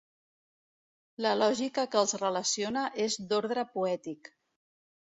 La lògica que els relaciona és d'ordre poètic.